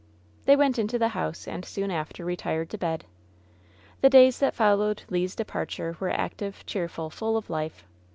They went into the house and soon after retired to bed. The days that followed Le's departure were active, cheerful, full of life.